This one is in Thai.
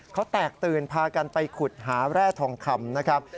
เขาแตกตื่นพากันไปขุดหาแร่ทองคำนะครับ